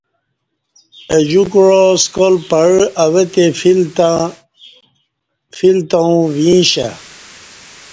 اہ جوکوعا سکال پعہ اوہ تے فیل تہ اوں ویں اشہ